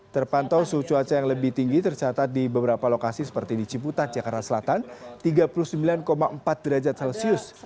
terpantau suhu cuaca yang lebih tinggi tercatat di beberapa lokasi seperti di ciputat jakarta selatan tiga puluh sembilan empat derajat celcius